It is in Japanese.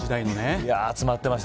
集まってました。